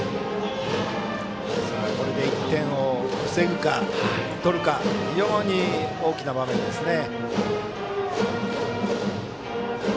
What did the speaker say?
これで１点を防ぐか、取るか非常に大きな場面ですね。